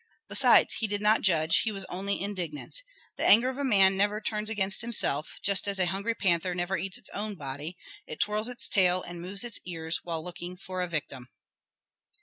Besides, he did not judge, he was only indignant. The anger of a man never turns against himself, just as a hungry panther never eats its own body; it twirls its tail and moves its ears while looking for a victim.